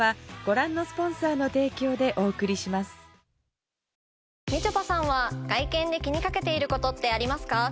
濱よしの大将によると、みちょぱさんは外見で気にかけていることってありますか？